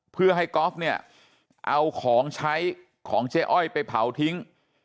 เพื่อให้ก๊อฟเนี่ยเอาของใช้ของเจ๊อ้อยไปเผาทิ้ง